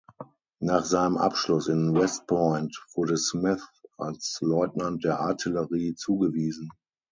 Nach seinem Abschluss in West Point wurde Smith als Leutnant der Artillerie zugewiesen.